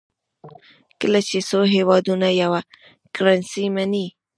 کله چې څو هېوادونه یوه کرنسي مني.